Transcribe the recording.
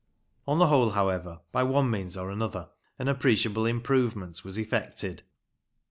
On the whole, however, by one means or another, an appreciable improvement was effected.